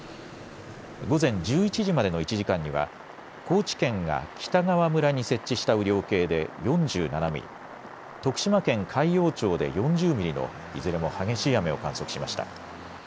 午前１１時までの１時間には高知県が北川村に設置した雨量計で４７ミリ、徳島県海陽町で４０ミリのいずれも激しい雨を観測しました。